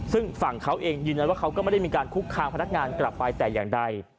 ซึ่งฝั่งเขาเองยืนยันว่าเขาก็ไม่ได้มีการคุกคามพนักงานกลับไปแต่อย่างใด